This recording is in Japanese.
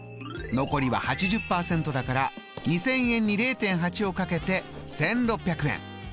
残りは８０％だから２０００円に０．８を掛けて１６００円。